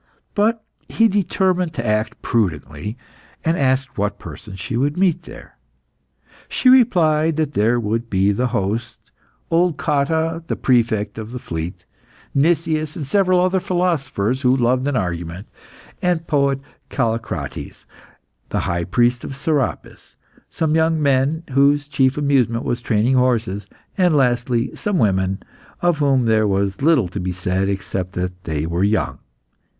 But he determined to act prudently, and asked what persons she would meet there. She replied that there would be the host, old Cotta, the Prefect of the Fleet, Nicias, and several other philosophers who loved an argument, the poet Callicrates, the high priest of Serapis, some young men whose chief amusement was training horses, and lastly some women, of whom there was little to be said except that they were young.